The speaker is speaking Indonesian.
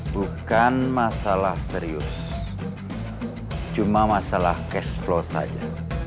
bukan masalah serius cuma masalah cash flow saja